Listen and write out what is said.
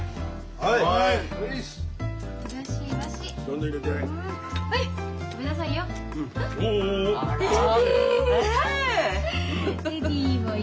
はい。